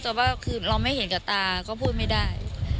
แต่ว่าคือเราไม่เห็นกับตาก็พูดไม่ได้